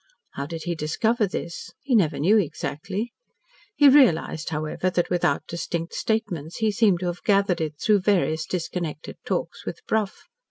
How did he discover this? He never knew exactly. He realised, however, that without distinct statements, he seemed to have gathered it through various disconnected talks with Brough.